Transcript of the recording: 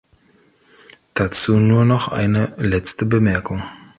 Dazu nur noch eine letzte Bemerkung.